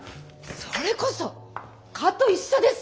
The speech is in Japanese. それこそ蚊と一緒ですよ。